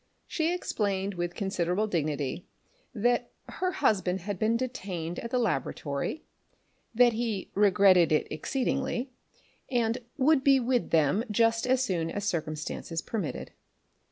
She explained with considerable dignity that her husband had been detained at the laboratory, that he regretted it exceedingly, but would be with them just as soon as circumstances permitted.